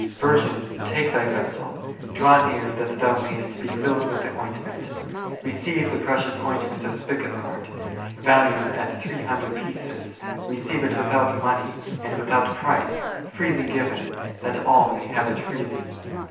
Vir gin, take thy vessel, draw near that thou mayest be filled with the ointment. Receive the precious oint ment of spikenard, valued at three hundred pieces, receive it without money and without price, freely given, that all may have it freely.